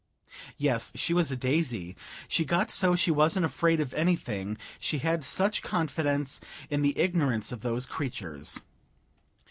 Yes, she was a daisy! She got so she wasn't afraid of anything, she had such confidence in the ignorance of those creatures.